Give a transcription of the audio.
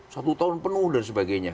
satu tahun penuh dan sebagainya